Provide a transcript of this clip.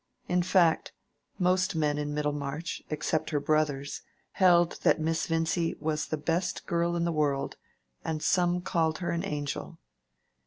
In fact, most men in Middlemarch, except her brothers, held that Miss Vincy was the best girl in the world, and some called her an angel.